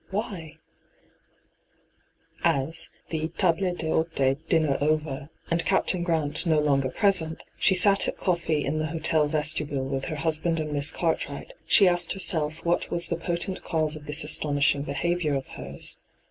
Why ? As, the tahie cChdte dinner over, and Captain Grant no longer present, she sat at coffee in the hotel vestibule with her hus band and Miss Cartwright, she asked herself what was the potent cause of this astonishing behaviour of hers.